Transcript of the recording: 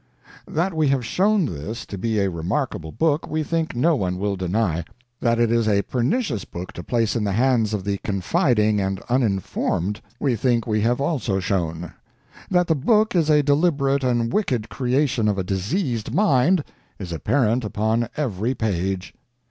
That we have shown this to be a remarkable book, we think no one will deny. That it is a pernicious book to place in the hands of the confiding and uniformed, we think we have also shown. That the book is a deliberate and wicked creation of a diseased mind, is apparent upon every page.